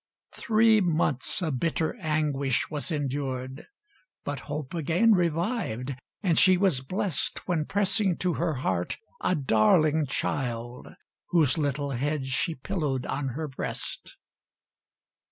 Three months of bitter anguish was endured, But hope again revived, and she was blest, When pressing to her heart a darling child, Whose little head she pillowed on her breast.